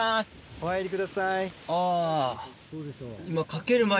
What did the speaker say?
お入りください。